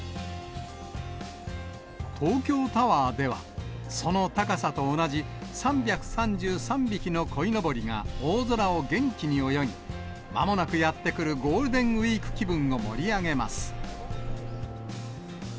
東京タワーでは、その高さと同じ３３３匹のこいのぼりが大空を元気に泳ぎ、まもなくやってくるゴールデンウィーク気分を盛り上げます。